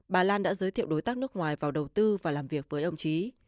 bà lan đã giới thiệu đối tác nước ngoài vào đầu tư và làm việc với ông trí